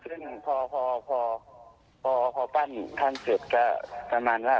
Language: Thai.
ก็คือพอพอพอพอพอพอปั้นท่านเกิดก็ประมาณว่า